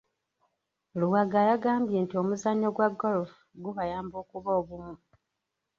Luwaga yagambye nti omuzannyo gwa golf gubayamba okuba obumu.